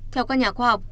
theo các nhà khoa học